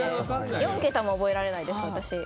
４桁も覚えられないです、私。